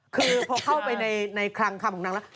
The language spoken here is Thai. คือพอเข้าไปในคลังคำของนางแล้ว